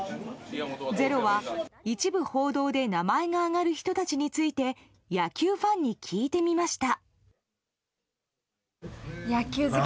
「ｚｅｒｏ」は一部報道で名前が挙がる人たちについて野球ファンに聞いてみました。